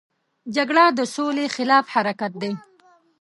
جګړه د سولې خلاف حرکت دی